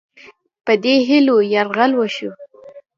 په دې هیلو یرغل وشو.